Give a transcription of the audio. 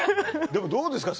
でも、どうですか？